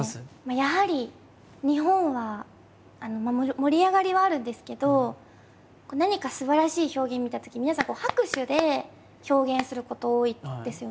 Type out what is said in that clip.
やはり日本は盛り上がりはあるんですけど何かすばらしい表現を見たとき皆さん拍手で表現すること多いんですよね。